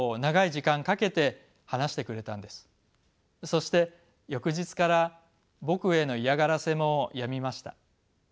そして翌日から僕への嫌がらせもやみました。